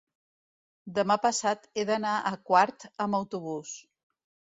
demà passat he d'anar a Quart amb autobús.